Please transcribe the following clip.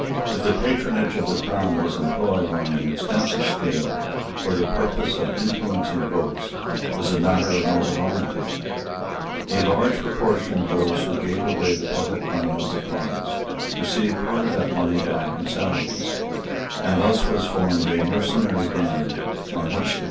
That the patronage of the Crown was employed on an extensive scale for the purpose of influencing votes was matter of notoriety. A large proportion of those who gave away the public money in supplies received part of that money back in salaries; and thus was formed a mercenary band on which the Court might, in almost any extremity, confidently rely.